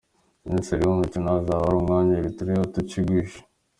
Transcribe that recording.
Komiseri w’umukino azaba ari Umunya Eritrea Tucci Guish.